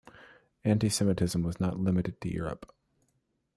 Anti-Semitism was not limited to Europe.